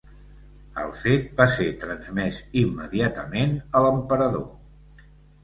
El fet va ser transmès immediatament a l'emperador.